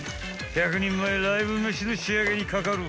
［１００人前ライブ飯の仕上げにかかる］